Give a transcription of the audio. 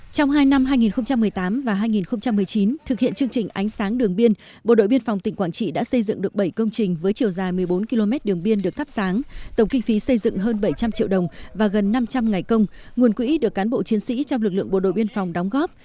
trong hai năm hai nghìn một mươi tám và hai nghìn một mươi chín thực hiện chương trình ánh sáng đường biên bộ đội biên phòng tỉnh quảng trị đã xây dựng được bảy công trình với chiều dài một mươi bốn km đường biên được thắp sáng tổng kinh phí xây dựng hơn bảy trăm linh triệu đồng và gần năm trăm linh ngày công nguồn quỹ được cán bộ chiến sĩ trong lực lượng bộ đội biên phòng đóng góp